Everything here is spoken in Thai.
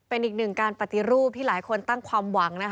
เป็นอีกหนึ่งการปฏิรูปที่หลายคนตั้งความหวังนะคะ